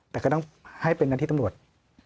แต่ก็ต้องให้เป็นหน้าที่ตำรวจ